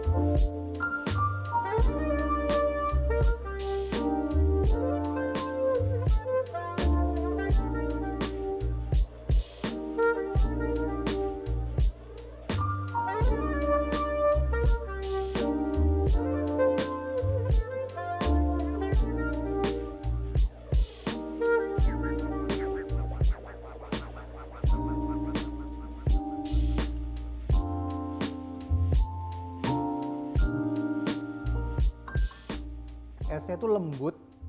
s nya itu lembut